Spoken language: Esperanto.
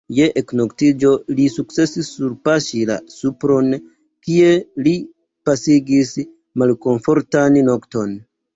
Je eknoktiĝo li sukcesis surpaŝi la supron, kie li pasigis malkomfortan nokton.